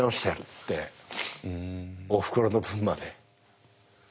おふくろの分まで。